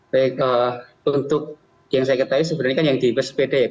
baik untuk yang saya katakan sebenarnya kan yang diberi sepeda